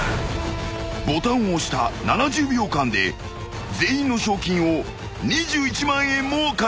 ［ボタンを押した７０秒間で全員の賞金を２１万円も稼いだ］